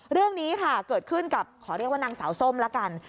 เรื่องนี้ค่ะเกิดขึ้นกับขอเรียกว่านางสาวส้มละกัน